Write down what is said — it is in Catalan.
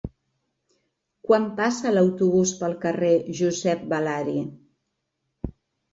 Quan passa l'autobús pel carrer Josep Balari?